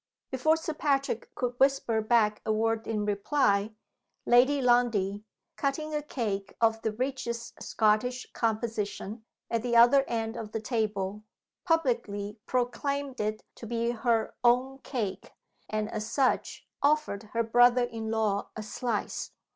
Before Sir Patrick could whisper back a word in reply, Lady Lundie, cutting a cake of the richest Scottish composition, at the other end of the table, publicly proclaimed it to be her "own cake," and, as such, offered her brother in law a slice.